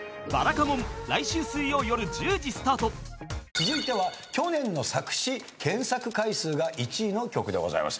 続いては去年の作詞検索回数が１位の曲でございます。